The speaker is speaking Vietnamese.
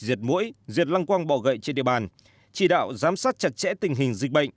diệt mũi diệt lăng quang bỏ gậy trên địa bàn chỉ đạo giám sát chặt chẽ tình hình dịch bệnh